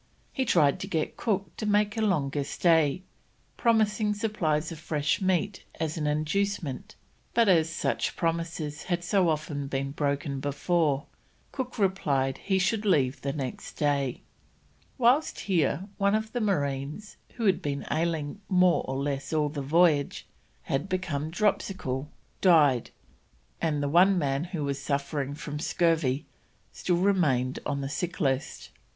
He tried to get Cook to make a longer stay, promising supplies of fresh meat as an inducement, but as such promises had so often been broken before, Cook replied he should leave the next day. Whilst here one of the marines, who had been ailing more or less all the voyage, and had become dropsical, died, and the one man who was suffering from scurvy still remained on the sick list.